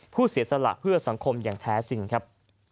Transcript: เสียสละเพื่อสังคมอย่างแท้จริงครับ